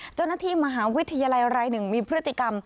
เจ้าหน้าที่มหาวิทยาลัยรายหนึ่งมีพฤติกรรม